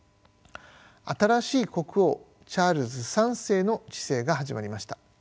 新しい国王チャールズ３世の治世が始まりました。